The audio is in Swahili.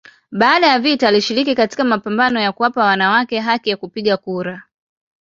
Baada ya vita alishiriki katika mapambano ya kuwapa wanawake haki ya kupiga kura.